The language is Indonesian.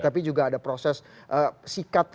tapi juga ada proses sikat